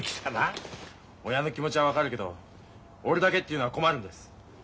親の気持ちは分かるけど俺だけっていうのは困るんです。